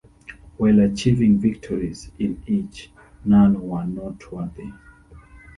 While achieving victories in each, none were noteworthy.